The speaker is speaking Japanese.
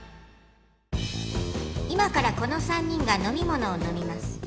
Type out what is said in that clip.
今からこの３人が飲みものを飲みます。